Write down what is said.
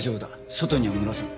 外には漏らさん。